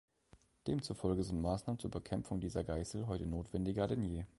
Demzufolge sind Maßnahmen zur Bekämpfung dieser Geißel heute notwendiger denn je.